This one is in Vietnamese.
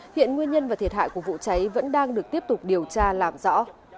hiện nguyên nhân và thiệt hại của vụ cháy vẫn đang được tiếp tục điều tra làm rõ